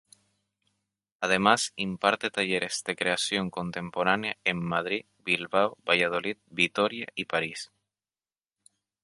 Además imparte talleres de creación contemporánea en Madrid, Bilbao, Valladolid, Vitoria y París.